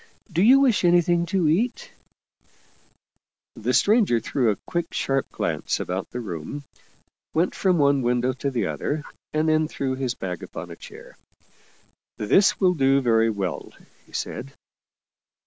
Do you wish anything to eat ?" The stranger threw a quick, sharp glance about the room, went from one window to the other, and then threw his bag upon a chair. " This will do very well," he said.